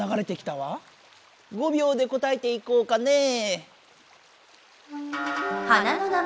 ５秒で答えていこうかねえ。